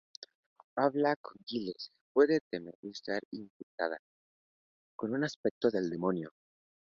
Habla con Giles, pues teme estar infectada con un aspecto del demonio.